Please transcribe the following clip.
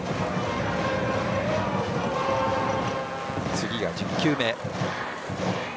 次が１０球目。